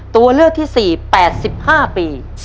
ตัวเลือกที่๔๘๕ปี